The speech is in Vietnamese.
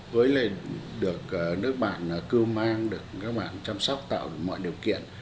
với lại được nước bạn cưu mang được các bạn chăm sóc tạo được mọi điều kiện